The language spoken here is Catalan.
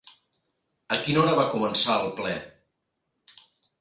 A quina hora va començar el ple?